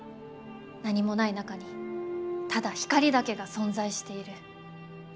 何もない中にただ光だけが存在している。